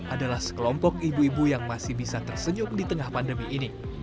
adalah sekelompok ibu ibu yang masih bisa tersenyum di tengah pandemi ini